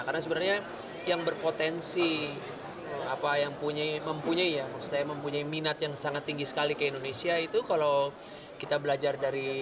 pemerintah juga menghentikan promosi wisata